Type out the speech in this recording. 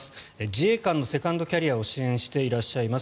自衛官のセカンドキャリアを支援していらっしゃいます